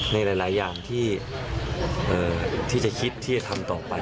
ในหลายอย่างที่จะคิดที่จะทำต่อไป